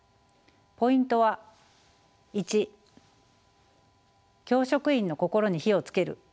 ポイントは１教職員の心に火をつける。